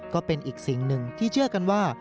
ก็เป็นอีกสิ่งหนึ่งที่เชื่อกันว่า